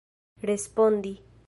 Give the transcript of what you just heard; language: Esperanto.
respondi